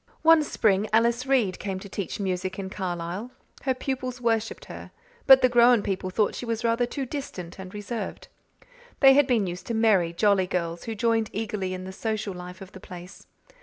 One spring Alice Reade came to teach music in Carlisle. Her pupils worshipped her, but the grown people thought she was rather too distant and reserved. They had been used to merry, jolly girls who joined eagerly in the social life of the place.